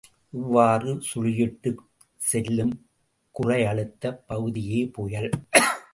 இவ்வாறு சுழியிட்டுச் செல்லும் குறையழுத்தப் பகுதியே புயல்.